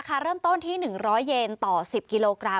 ไม่ขาวใช่มั้ยครับ